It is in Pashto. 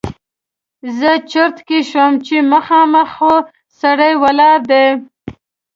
زه چرت کې شوم چې مخامخ خو سړی ولاړ دی!